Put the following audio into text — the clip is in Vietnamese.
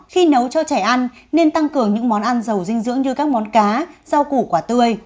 khi nấu cho trẻ ăn nên tăng cường những món ăn giàu dinh dưỡng như các món cá rau củ quả tươi